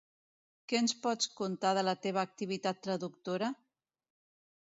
Què ens pots contar de la teva activitat traductora?